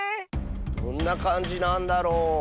どんなかんじなんだろう？